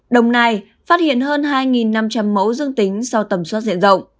đồng nai phát hiện hơn hai năm trăm linh mẫu dương tính sau tầm soát diện rộng